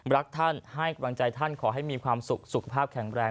รักท่านให้กำลังใจท่านขอให้มีความสุขสุขภาพแข็งแรง